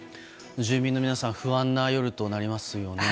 住民の皆さん不安な夜となりますよね。